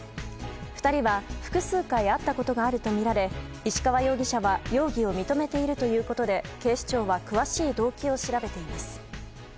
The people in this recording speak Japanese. ２人は、複数回会ったことがあるとみられ石川容疑者は容疑を認めているということで警視庁は詳しい動機を調べています。